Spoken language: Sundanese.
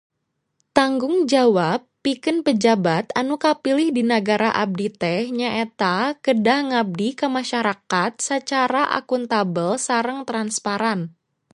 Tanggung jawab pikeun pejabat anu kapilih di nagara abdi teh nyaeta kedah ngabdi ka masarakat sacara akuntabel sareng transparan